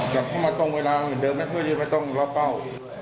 กลับมาตรงเวลาเหมือนเดิมไม่ต้องรอเป้า